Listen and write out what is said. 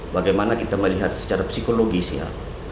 bagaimana kita melihat secara psikologis ya